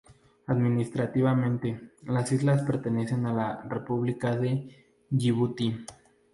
Administrativamente, las islas pertenecen a la República de Yibuti.